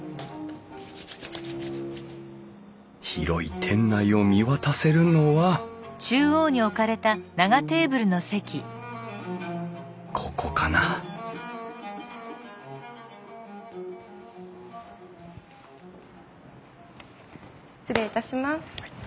広い店内を見渡せるのはここかな失礼いたします。